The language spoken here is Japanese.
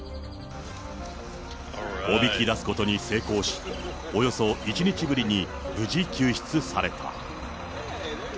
おびき出すことに成功し、およそ１日ぶりに無事救出された。